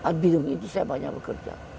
di bidang itu saya banyak bekerja